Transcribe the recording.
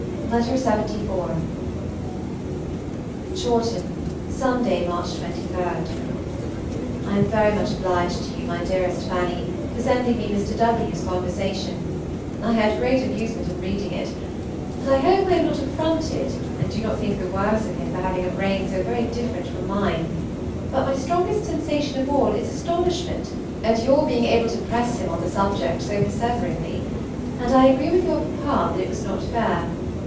LXXIV. CHAWTON, Sunday (March 23). I AM very much obliged to you, my dearest Fanny, for sending me Mr. W.'s conversation; I had great amusement in reading it, and I hope I am not affronted, and do not think the worse of him for having a brain so very different from mine; but my strongest sensation of all is astonishment at your being able to press him on the subject so perseveringly; and I agree with your papa that it was not fair.